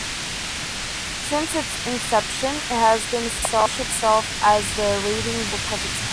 Since its inception, it has established itself as the leading book of its kind.